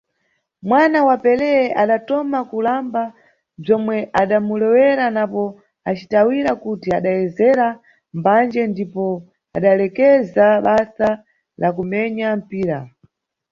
Mwana wa Pelé adatoma kulamba bzwomwe adamulewera napo acitawira kuti adayezera mbandje ndipo adalekeza basa la kumenya mpira.